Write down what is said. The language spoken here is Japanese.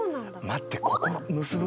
待って。